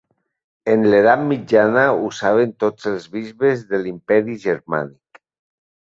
En l'edat mitjana, l'usaven tots els bisbes de l'Imperi Germànic.